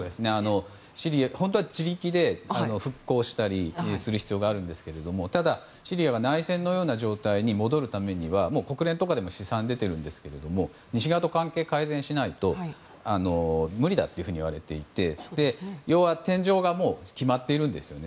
シリアは本当は自力で復興したりする必要があるんですがただ、シリアが内戦のような状態に戻るためには国連とかでも試算が出ていますが西側と関係改善しないと無理だといわれていて要は天井が決まっているんですよね。